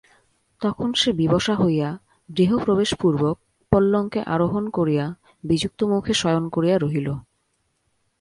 তখন সে বিবশা হইয়া গৃহপ্রবেশপূর্বক পল্যঙ্কে আরোহণ করিয়া বিযুক্ত মুখে শয়ন করিয়া রহিল।